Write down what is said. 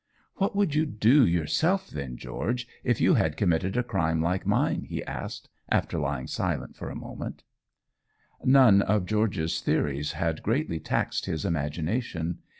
"What would you do yourself then, George, if you had committed a crime like mine?" he asked, after lying silent for a while. None of George's theories had greatly taxed his imagination.